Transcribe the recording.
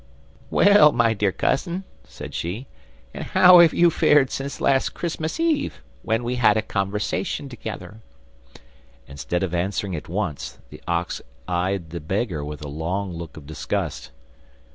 'Well, my dear cousin,' said she, 'and how have you fared since last Christmas Eve, when we had a conversation together?' Instead of answering at once, the ox eyed the beggar with a long look of disgust.